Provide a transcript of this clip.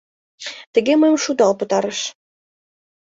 Тыге мыйым шудал пытарыш.